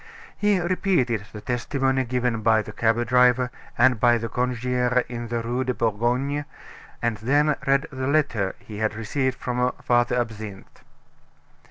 He repeated the testimony given by the cab driver, and by the concierge in the Rue de Bourgogne, and then read the letter he had received from Father Absinthe.